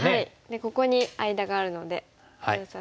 ここに間があるので封鎖して。